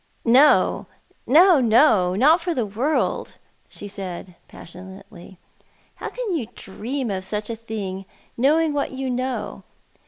" No, no, no, not for the world," she said passionately. " How can you dream of such a thing, knowing what you know